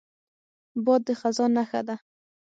باد د خزان نښه ده